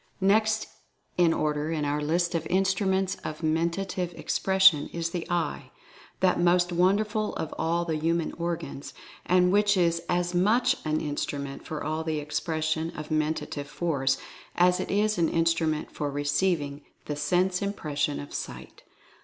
Next in order in our list of Instruments of Menta tive Expression is The Eye, that most wonderful of all the human organs, and which is as much an instru ment for the Expression of Mentative For^'as it is an instrument for receiving the sense impression of Sight.